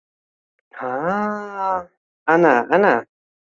— Ha-a, ana, ana!